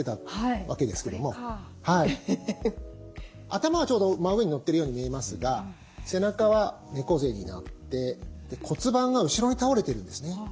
頭はちょうど真上にのってるように見えますが背中は猫背になって骨盤が後ろに倒れてるんですね。